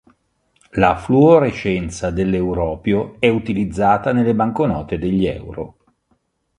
La fluorescenza dell'europio è utilizzata nelle banconote degli euro.